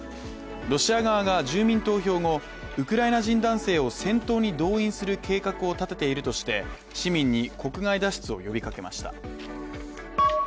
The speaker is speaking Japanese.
ロシア側が住民投票後ウクライナ人男性を戦闘に動員する計画を立てているとして、市民に国外脱出を呼びかけました。